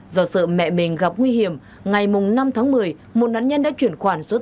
do sợ mẹ mình gặp nguy hiểm ngày năm tháng một mươi một nạn nhân đã chuyển khoản xuất